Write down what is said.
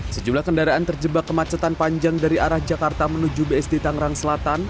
sejumlah kendaraan terjebak kemacetan panjang dari arah jakarta menuju bsd tangerang selatan